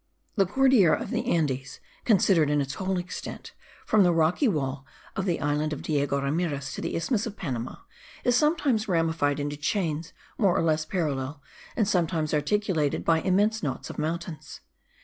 The Cordillera of the Andes, considered in its whole extent, from the rocky wall of the island of Diego Ramirez to the isthmus of Panama, is sometimes ramified into chains more or less parallel, and sometimes articulated by immense knots of mountains.